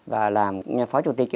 và làm phó chủ tịch